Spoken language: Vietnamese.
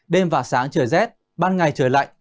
đêm và sáng trời rét ban ngày trời lạnh